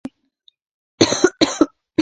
دوی ته مې کتل، پر خپله لار روانې وې او ځانونه یې.